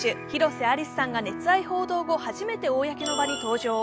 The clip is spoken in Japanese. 広瀬アリスさんが熱愛報道後、初めて公の場に登場。